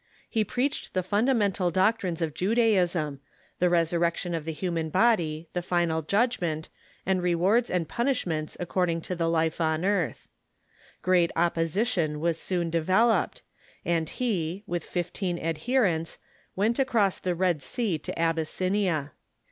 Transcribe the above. He preached the fundamental doctrines of Judaism — the resurrec tion of the human body, the final judgment, and rewards and punishments according to the life on earth. Great opposition was soon developed, and he, with fifteen adherents, went across the Red Sea to Abyssinia.